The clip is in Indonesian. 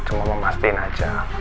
cuma memastikan aja